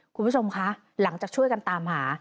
คุณผู้ชมคะหลังจากช่วยกันตามหา